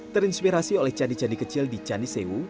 terinspirasi oleh candi candi kecil di candi sewu